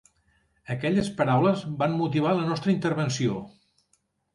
Aquelles paraules van motivar la nostra intervenció.